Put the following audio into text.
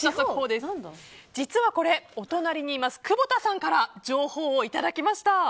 実はこれお隣にいます窪田さんから情報をいただきました。